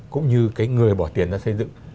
cũng như cái người bỏ tiền ra xây dựng